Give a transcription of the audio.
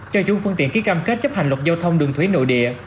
cho chủ phương tiện ký cam kết chấp hành luật giao thông đường thủy nội địa